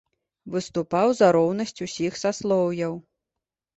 Выступаў за роўнасць усіх саслоўяў.